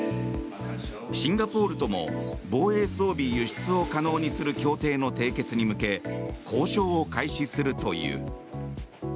シンガポールとも防衛装備輸出を可能にする条約の締結に向け交渉を開始するという。